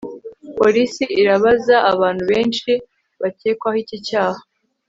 polisi irabaza abantu benshi bakekwaho iki cyaha